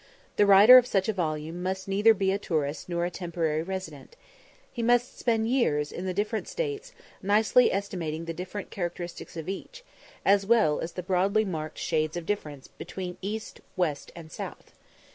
The writer of such a volume must neither be a tourist nor a temporary resident. He must spend years, in the different States, nicely estimating the different characteristics of each, as well as the broadly marked shades of difference between East, West, and South.